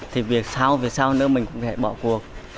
thì sau nữa mình cũng có thể bỏ cuộc